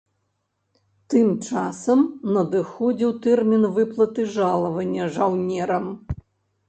Тым часам надыходзіў тэрмін выплаты жалавання жаўнерам.